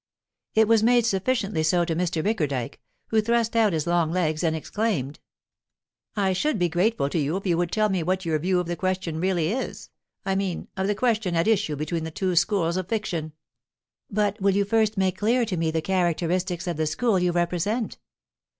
It was made sufficiently so to Mr. Bickerdike. He thrust out his long legs, and exclaimed: "I should be grateful to you if you would tell me what your view of the question really is I mean, of the question at issue between the two schools of fiction." "But will you first make clear to me the characteristics of the school you represent?"